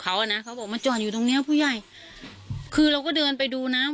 เขาพบว่ามันจอดอยู่ตรงนี้คือเราก็เดินไปดูว่า